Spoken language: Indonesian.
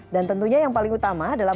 dan tentunya yang paling utama adalah